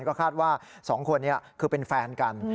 ก็คาดว่า๒คนนี้คือเป็นแฟนกัน